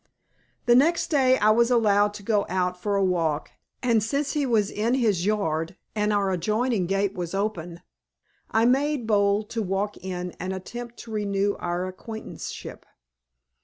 The next day I was allowed to go out for a walk and since he was in his yard, and our adjoining gate was open, I made bold to walk in and attempt to renew our acquaintanceship.